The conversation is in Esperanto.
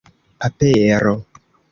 papero